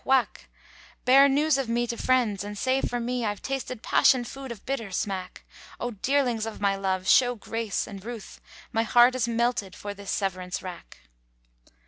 Wak!' Bear news of me to friends and say for me * I've tasted passion food of bitter smack. O dearlings of my love, show grace and ruth * My heart is melted for this severance rack."